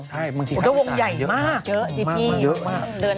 เดี๋ยววงใหญ่มากเยอะมากเยอะมากเดือนค่ะ